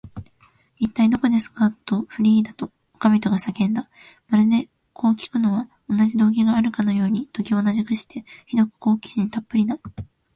「いったい、どこですか？」と、フリーダとおかみとが叫んだ。まるで、こうきくのには同じ動機があるかのように、時を同じくして、ひどく好奇心たっぷりな